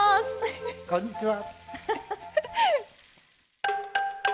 こんにちは。